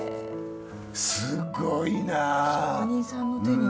すごいな！